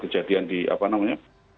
kejadian di apa namanya